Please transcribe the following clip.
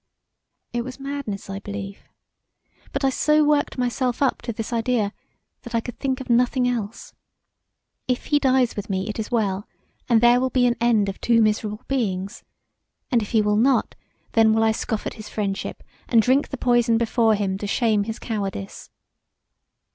It was madness I believe, but I so worked myself up to this idea that I could think of nothing else. If he dies with me it is well, and there will be an end of two miserable beings; and if he will not, then will I scoff at his friendship and drink the poison before him to shame his cowardice.